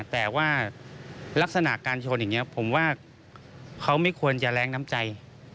แต่ว่าลักษณะการชนอย่างนี้ผมว่าเขาไม่ควรจะแรงน้ำใจ